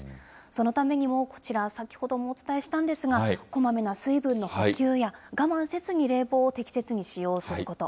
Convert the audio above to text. そのためにもこちら、先ほどもお伝えしたんですが、こまめな水分の補給や、我慢せずに冷房を適切に使用すること。